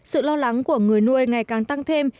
sự lo lắng của người nuôi ngày càng tăng thêm